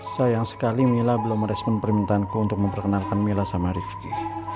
sayang sekali mila belum merespon permintaanku untuk memperkenalkan mila sama rifki